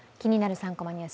３コマニュース」